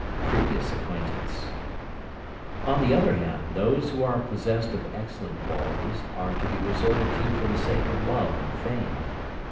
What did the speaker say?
Previous acquaintance. On the other hand, those who are possessed of excellent qualities are to be resorted to for the sake of love, and fame.